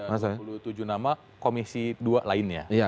ada dua puluh tujuh nama komisi dua lainnya